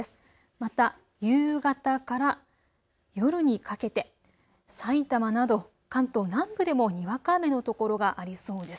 また夕方から夜にかけて埼玉など関東南部でもにわか雨の所がありそうです。